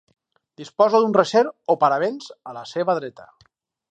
Disposa d'un recer o paravents a la seva dreta.